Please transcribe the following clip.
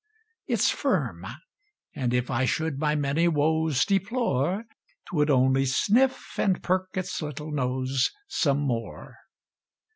It s firm; and if I should my many woes Deplore, Twould only sniff And perk its little nose Some more.